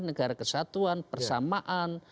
negara kesatuan persamaan